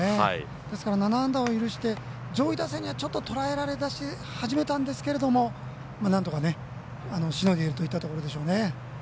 ですから７安打を許して上位打線にはとらえられ出し始めたんですがなんとかしのいでいるといったところでしょうね。